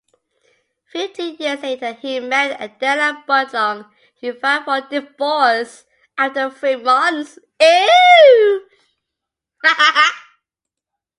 Fifteen years later he married Adela Budlong, who filed for divorce after three months.